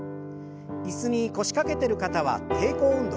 椅子に腰掛けてる方は抵抗運動。